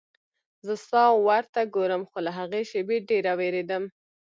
زه ستا ور ته ګورم خو له هغې شېبې ډېره وېرېدم.